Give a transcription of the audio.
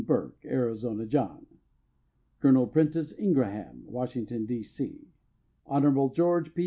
Burke (Arizona John); Col. Prentiss Ingraham, Washington, D. C.; Hon. George P.